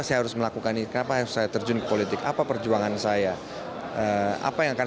saya harus melakukan ini kenapa harus saya terjun ke politik apa perjuangan saya apa yang akan